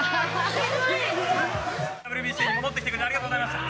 ＷＢＣに戻ってきてくれてありがとうございました。